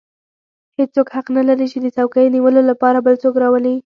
هېڅوک حق نه لري چې د څوکۍ نیولو لپاره بل څوک راولي.